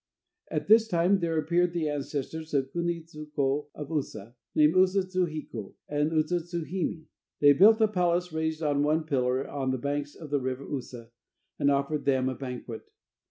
At this time there appeared the ancestors of the Kuni tsu ko of Usa, named Usa tsu hiko and Usa tsu hime. They built a palace raised on one pillar on the banks of the River Usa, and offered them a banquet.